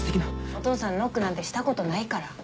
お父さんノックなんてしたことないから。